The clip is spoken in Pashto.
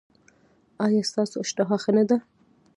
ایا ستاسو اشتها ښه نه ده؟